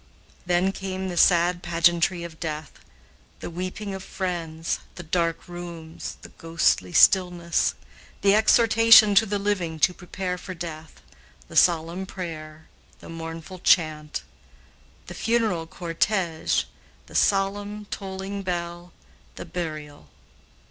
Then came the sad pageantry of death, the weeping of friends, the dark rooms, the ghostly stillness, the exhortation to the living to prepare for death, the solemn prayer, the mournful chant, the funeral cortège, the solemn, tolling bell, the burial.